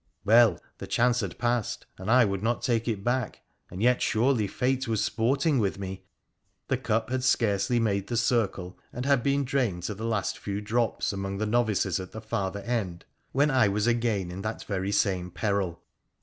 Well ! the chance had passed, and I would not take it back. And yet, surely fate was sporting with me 1 The cup had scarcely made the circle and been drained to the last few drops among the novices at the farther end, when I was again in that very same peril